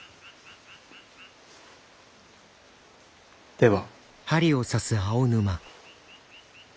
では。